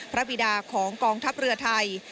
บิดาของกองทัพเรือไทย